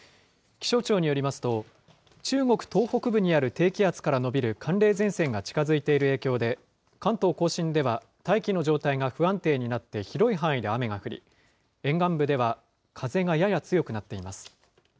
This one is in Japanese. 気象庁によりますと、中国東北部にある低気圧から延びる寒冷前線が近づいている影響で、関東甲信では大気の状態が不安定になって、広い範囲で雨が降り、沿岸部では風がやや強くなっています。